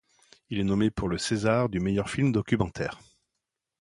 Il est nommé pour le César du Meilleur Film Documentaire.